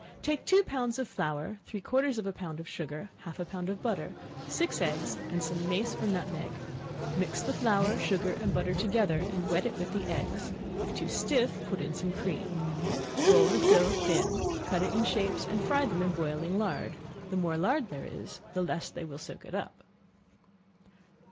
Take two pounds of flour, three quarters of a pound of sugar, half a pound of butter, six eggs, and some mace or nutmeg; mix the flour, sugar and butter together, and wet it with the eggs; if too stiff, put in some cream, roll the dough thin; cut it in shapes, and fry them in boiling lard. The more lard there is, the less they will soak it up.